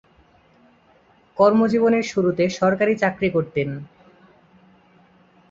কর্ম জীবনের শুরুতে সরকারি চাকরি করতেন।